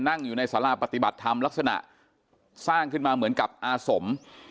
นั่งอยู่ในสาราปฏิบัติธรรมลักษณะสร้างขึ้นมาเหมือนกับอาสม